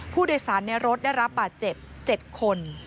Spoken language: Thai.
ผู้โดยสารในรถได้รับบาดเจ็บ๗คน